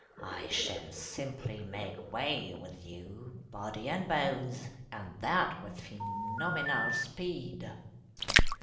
I shall simply make way with you, body and bones, And that with phenomenal speed!"